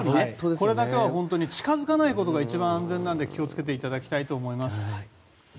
これだけは、近づかないことが一番安全なので気を付けていただきたいと思います。